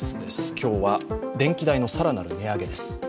今日は、電気代の更なる値上げです。